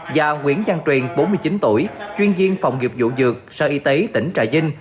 và nguyễn giang truyền bốn mươi chín tuổi chuyên viên phòng nghiệp vụ dược sở y tế tỉnh trà vinh